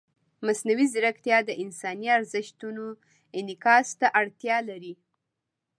مصنوعي ځیرکتیا د انساني ارزښتونو انعکاس ته اړتیا لري.